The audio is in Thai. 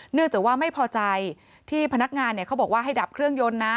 เนื่องจากว่าไม่พอใจที่พนักงานเขาบอกว่าให้ดับเครื่องยนต์นะ